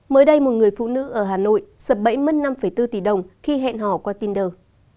mới đây một người phụ nữ ở hà nội sập bẫy mất năm bốn tỷ đồng khi hẹn hò qua tinder